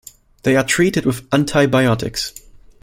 They are treated with antibiotics.